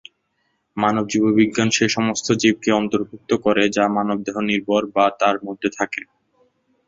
মানব জীববিজ্ঞান সেই সমস্ত জীবকে অন্তর্ভুক্ত করে যা মানবদেহ নির্ভর বা তার মধ্যে থাকে।